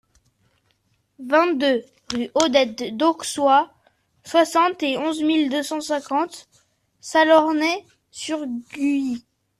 vingt-deux rue Odette Dauxois, soixante et onze mille deux cent cinquante Salornay-sur-Guye